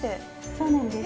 そうなんです。